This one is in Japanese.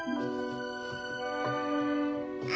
あ！